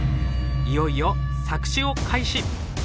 いよいよ作詞を開始！